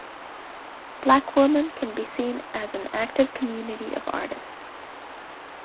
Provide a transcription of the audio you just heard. Black Women can be seen as an "active community of artists".